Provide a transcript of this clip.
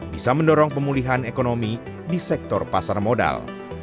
bisa mendorong pemulihan ekonomi di sektor pasar modal